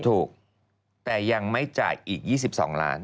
ถูกแต่ยังไม่จ่ายอีก๒๒ล้าน